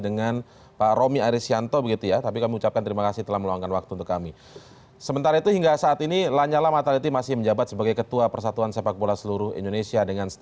nanti kita akan masih membahas tentang hal ini